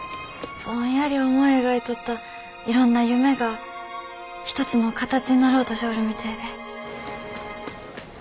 ぼんやり思い描いとったいろんな夢が一つの形になろうとしょおるみてえで。